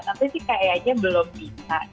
tapi sih kayaknya belum bisa